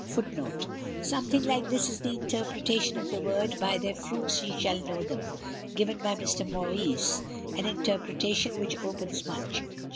[Footnote: Something like this is the interpretation of the word: "By their fruits ye shall know them" given by Mr. Maurice, an interpretation which opens much.